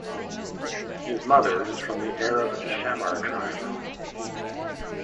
His mother is from the Arab Shammar tribe.